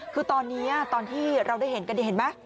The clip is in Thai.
คือตอนนี้อ่ะตอนที่เราได้เห็นกันเลยเห็นม๊ะ